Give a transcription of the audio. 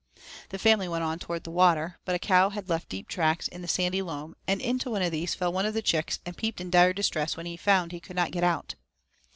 The family went on toward the water, but a cow had left deep tracks in the sandy loam, and into one of these fell one of the chicks and peeped in dire distress when he found he could not get out.